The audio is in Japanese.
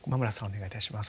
お願いいたします。